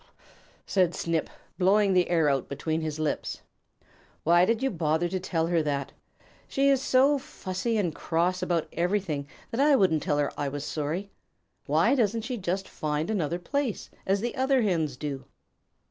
"P p p p p p p p!" said Snip, blowing the air out between his lips. "Why did you bother to tell her that? She is so fussy and cross about everything that I wouldn't tell her I was sorry. Why doesn't she just find another place, as the other Hens do?"